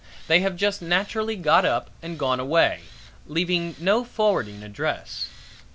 They have just naturally got up and gone away, leaving no forwarding address.